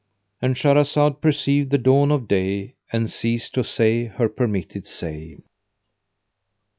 "—And Shahrazad perceived the dawn of day and ceased to say her permitted say.